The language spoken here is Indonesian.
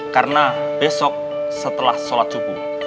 karena besok setelah sholat subuh